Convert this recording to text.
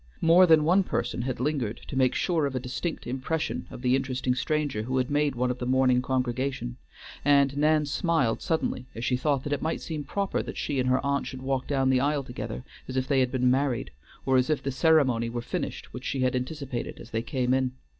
More than one person had lingered to make sure of a distinct impression of the interesting stranger who had made one of the morning congregation, and Nan smiled suddenly as she thought that it might seem proper that she and her aunt should walk down the aisle together as if they had been married, or as if the ceremony were finished which she had anticipated as they came in.